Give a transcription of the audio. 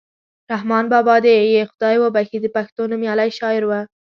رحمان بابا دې یې خدای وبښي د پښتو نومیالی شاعر ؤ.